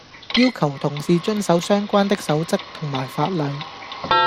要求同事遵守相關的守則同埋法例